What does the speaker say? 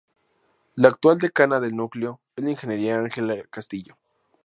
La actual decana del núcleo es la ingeniera Ángela Castillo.